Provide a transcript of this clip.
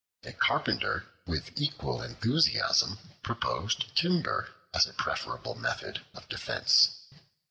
A Carpenter, with equal enthusiasm, proposed timber as a preferable method of defense.